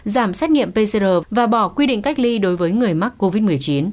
giảm xét nghiệm pcr và bỏ quy định cách ly đối với người mắc covid một mươi chín